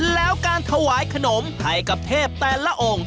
แล้วการถวายขนมให้กับเทพแต่ละองค์